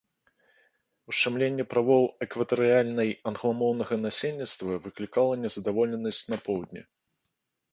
Ушчамленне правоў экватарыяльнай англамоўнага насельніцтва выклікала незадаволенасць на поўдні.